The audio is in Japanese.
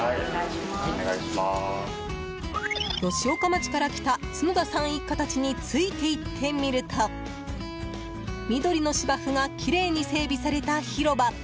吉岡町から来た角田さん一家たちについていってみると、緑の芝生がきれいに整備された広場。